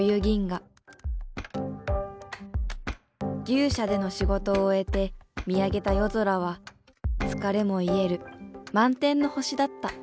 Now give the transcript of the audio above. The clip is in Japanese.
牛舎での仕事を終えて見上げた夜空は疲れも癒える満天の星だった。